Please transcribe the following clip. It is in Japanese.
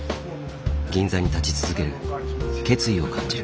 銀座に立ち続ける決意を感じる。